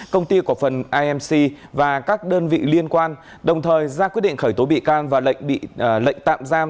công ty cổ phần imc và các đơn vị liên quan đồng thời ra quyết định khởi tố bị can và lệnh tạm giam